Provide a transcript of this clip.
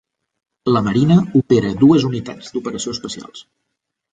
La Marina Opera dues unitats d'operació especials.